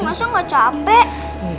masa gak capek